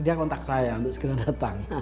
dia kontak saya untuk segera datang